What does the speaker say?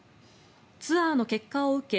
ツアーの結果を受け